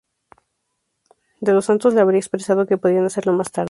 De los Santos le habría expresado que podían hacerlo más tarde.